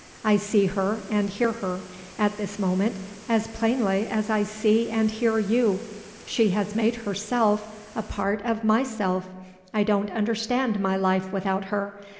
I see her and hear her, at this moment, as plainly as I see and hear you. She has made _her_self a part of _my_self. I don't understand my life without her.